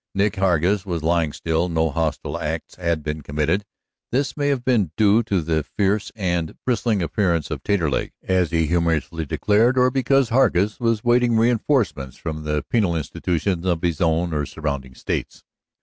Nick Hargus was lying still, no hostile acts had been committed. This may have been due to the fierce and bristling appearance of Taterleg, as he humorously declared, or because Hargus was waiting reenforcements from the penal institutions of his own and surrounding states.